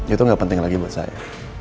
itu nggak penting lagi buat saya